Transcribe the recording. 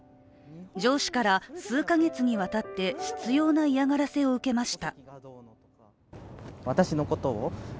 上司から数か月にわたって執ような嫌がらせを受けました。